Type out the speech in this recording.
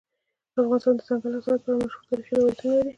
افغانستان د دځنګل حاصلات په اړه مشهور تاریخی روایتونه لري.